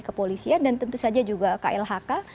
ke polisian dan tentu saja juga klhk